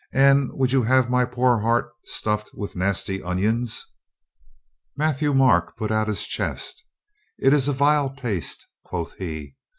"And would you have my poor heart stuffed with nasty onions?" Matthieu Marc put out his chest. "It is a vile taste," quoth he.